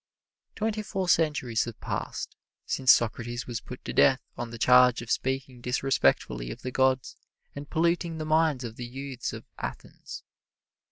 Twenty four centuries have passed since Socrates was put to death on the charge of speaking disrespectfully of the gods and polluting the minds of the youths of Athens.